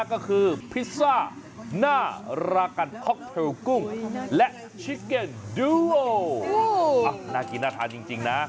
ก็คือพิซซ่าหน้ารากันฮ็อกเทลกุ้งและชิเก็นยูน่ากินน่าทานจริงนะ